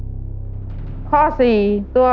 ข้อมูลใดของอนุสวรีพระยาสุรินทร์ภักดีไม่ถูกต้อง